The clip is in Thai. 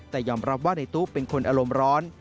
แต่ยอมรับว่าในตู้เป็นคนอารมณ์ร้อน